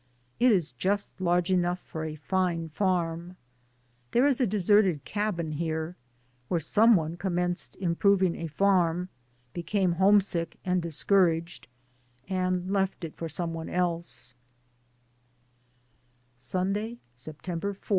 It is just large enough for a fine farm. There is a deserted cabin here, where some one commenced improving a farm, became home sick and discouraged, and left it for some one else. DAYS ON THE ROAD. aS9 Sunday, September 4.